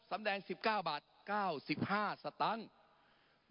ปรับไปเท่าไหร่ทราบไหมครับ